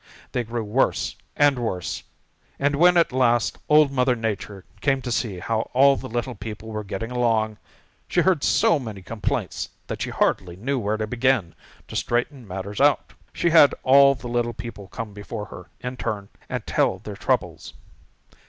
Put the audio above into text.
They grew worse and worse, and when at last Old Mother Nature came to see how all the little people were getting along, she heard so many complaints that she hardly knew where to begin to straighten matters out. She had all the little people come before her in turn and tell their troubles.